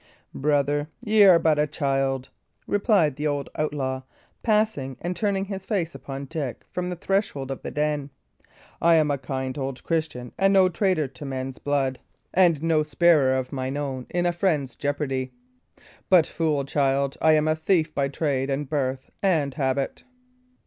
"Brother, y' are but a child," replied the old outlaw, pausing and turning his face upon Dick from the threshold of the den. "I am a kind old Christian, and no traitor to men's blood, and no sparer of mine own in a friend's jeopardy. But, fool, child, I am a thief by trade and birth and habit.